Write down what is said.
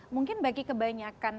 mungkin bagi kebanyakan